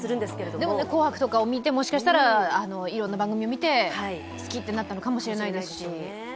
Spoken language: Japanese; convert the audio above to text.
でも、「紅白」とかを見て、もしかしたら、いろいろな番組を見て好きってなったのかもしれないですし。